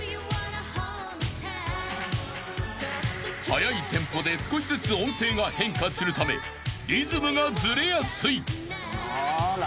［速いテンポで少しずつ音程が変化するためリズムがずれやすい］